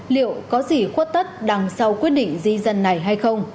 liệu có gì khuất tất đằng sau quyết định di dân này hay không